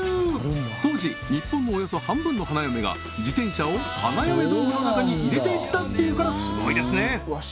当時日本のおよそ半分の花嫁が自転車を花嫁道具の中に入れていったっていうからスゴいですね